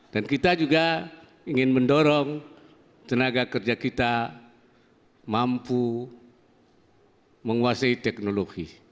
dan kita juga ingin mendorong tenaga kerja kita mampu menguasai teknologi